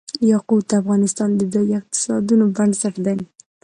یاقوت د افغانستان د ځایي اقتصادونو بنسټ دی.